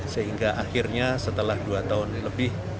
sehingga akhirnya setelah dua tahun lebih